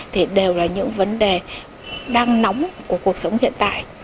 thì đều là những vấn đề đang nóng của cuộc sống hiện tại